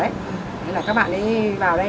nên là các bạn đi vào đây